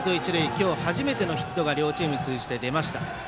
今日初めてのヒットが両チーム通じて出ました。